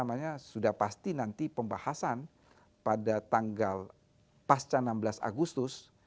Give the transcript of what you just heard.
dan sudah pasti nanti pembahasan pada tanggal pasca enam belas agustus